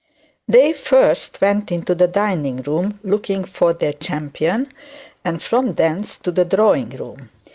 They first went into the dining room, looking for their champion, and from thence to the drawing room.